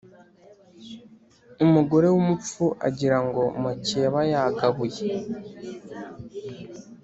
Umugore w’umupfu agirango mukeba yagabuye.